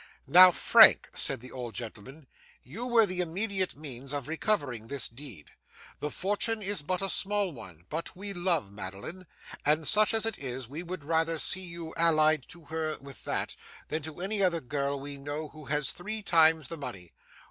'Now, Frank,' said the old gentleman, 'you were the immediate means of recovering this deed. The fortune is but a small one; but we love Madeline; and such as it is, we would rather see you allied to her with that, than to any other girl we know who has three times the money.